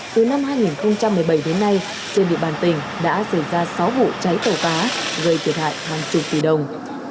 từ năm hai nghìn một mươi bảy đến nay trên địa bàn tỉnh đã xảy ra sáu vụ cháy tổ phá gây thiệt hại hoàn chung tùy đồng